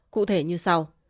cụ thể như sau